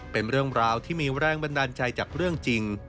เป็นเรื่องราวที่มีแรงบันดาลใจจากเรื่องจริง